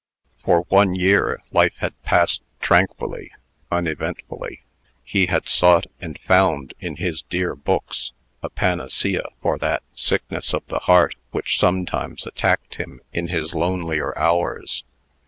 For one year, life had passed tranquilly, uneventfully. He had sought, and found, in his dear books, a panacea for that sickness of the heart which sometimes attacked him in his lonelier hours.